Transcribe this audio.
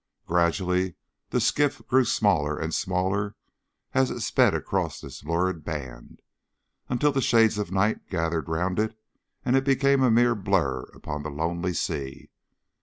Gradually the skiff grew smaller and smaller as it sped across this lurid band, until the shades of night gathered round it and it became a mere blur upon the lonely sea.